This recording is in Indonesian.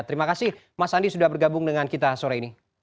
terima kasih mas andi sudah bergabung dengan kita sore ini